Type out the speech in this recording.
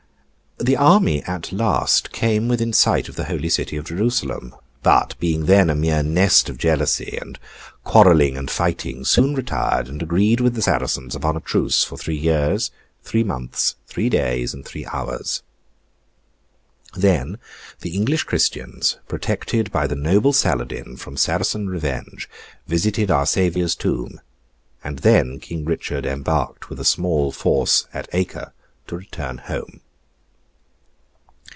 The army at last came within sight of the Holy City of Jerusalem; but, being then a mere nest of jealousy, and quarrelling and fighting, soon retired, and agreed with the Saracens upon a truce for three years, three months, three days, and three hours. Then, the English Christians, protected by the noble Saladin from Saracen revenge, visited Our Saviour's tomb; and then King Richard embarked with a small force at Acre to return home.